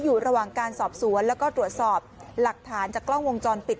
อยู่ระหว่างการสอบสวนแล้วก็ตรวจสอบหลักฐานจากกล้องวงจรปิด